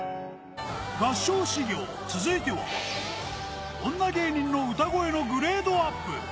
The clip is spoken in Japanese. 合唱修業、続いては女芸人の歌声のグレードアップ。